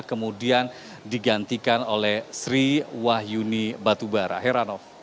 kemudian digantikan oleh sri wahyuni batubara heranov